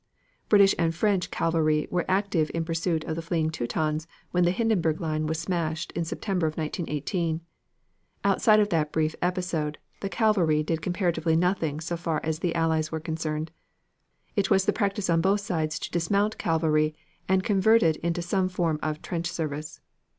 British and French cavalry were active in pursuit of the fleeing Teutons when the Hindenburg line was smashed in September of 1918. Outside of that brief episode, the cavalry did comparatively nothing so far as the Allies were concerned. It was the practice on both sides to dismount cavalry and convert it into some form of trench service.